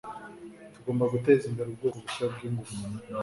Tugomba guteza imbere ubwoko bushya bwingufu